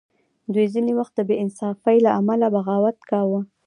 دوی ځینې وخت د بې انصافۍ له امله بغاوت کاوه.